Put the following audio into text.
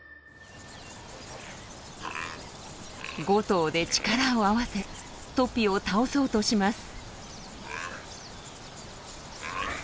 ５頭で力を合わせトピを倒そうとします。